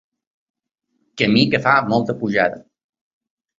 Camí que fa molta pujada.